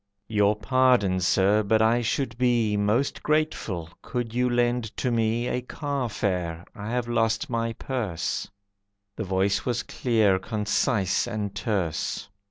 "Your pardon, Sir, but I should be Most grateful could you lend to me A carfare, I have lost my purse." The voice was clear, concise, and terse.